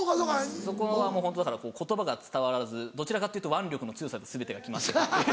そこはもうホントだから言葉が伝わらずどちらかっていうと腕力の強さで全てが決まってくっていう。